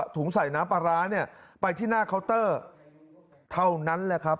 ถุงใส่น้ำปลาร้าเนี่ยไปที่หน้าเคาน์เตอร์เท่านั้นแหละครับ